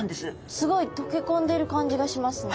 すごい溶け込んでる感じがしますね。